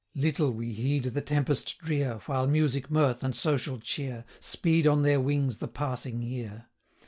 Little we heed the tempest drear, While music, mirth, and social cheer, Speed on their wings the passing year.